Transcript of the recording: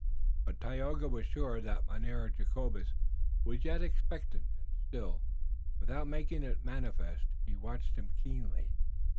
But Tayoga was sure that Mynheer Jacobus was yet expectant, and still, without making it manifest, he watched him keenly.